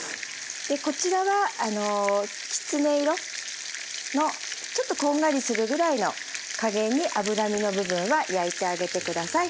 でこちらはきつね色のちょっとこんがりするぐらいの加減に脂身の部分は焼いてあげて下さい。